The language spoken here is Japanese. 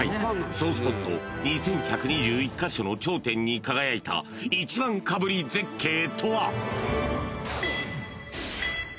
［総スポット２，１２１カ所の頂点に輝いた１番かぶり絶景とは］